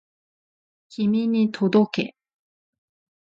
君に届け